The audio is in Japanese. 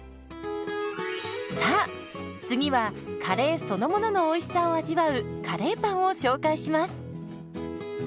さあ次はカレーそのもののおいしさを味わうカレーパンを紹介します。